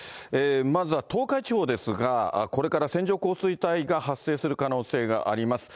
まずは東海地方ですが、これから線状降水帯が発生する可能性があります。